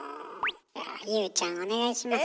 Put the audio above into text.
じゃあ優ちゃんお願いします。